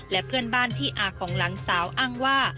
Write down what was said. และเพื่อนบ้านที่อาของหลานสาวอ้างว่า